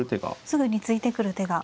すぐに突いてくる手が。